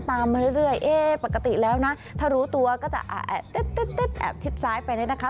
ตามมาเรื่อยเรื่อยเอ๊ปกติแล้วนะถ้ารู้ตัวก็จะแอบทิศซ้ายไปนิดนะคะ